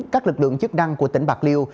các lực lượng chức năng của tỉnh bạc liêu